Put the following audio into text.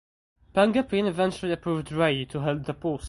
Panggabean eventually approved Rais to held the post.